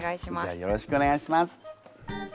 よろしくお願いします。